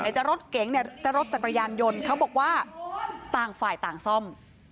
ในเจ้ารถเก๋งเจ้ารถจากรยานยนต์เขาบอกว่าต่างฝ่ายต่างซ่อม